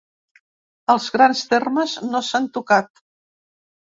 Els grans temes no s’han tocat.